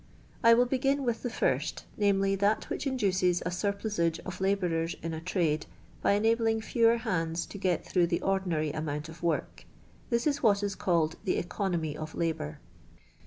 I will begin with the first, viz., that which in duces a surplusage of labourers in a trade by enabling fewer hands to get through the ordinary amount of work. This is what is called the " economy of labour."